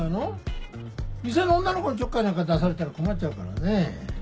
店の女の子にちょっかいなんか出されたら困っちゃうからねえ。